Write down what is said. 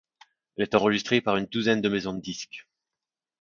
Elle est enregistrée par une douzaine de maisons de disques.